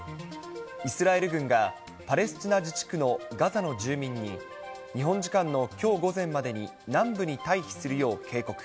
イスラエル軍がパレスチナ自治区のガザの住民に、日本時間のきょう午前までに南部に退避するよう警告。